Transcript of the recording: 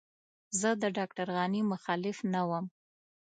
زه د ډاکټر غني مخالف نه وم.